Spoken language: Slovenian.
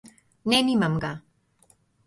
Ne, nimam ga.